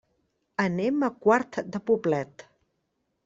Anem a Quart de Poblet.